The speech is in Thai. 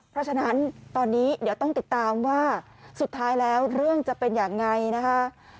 เพราะฉะนั้นตอนนี้เดี๋ยวต้องติดตามว่าสุดท้ายแล้วเรื่องจะเป็นยังไงนะคะ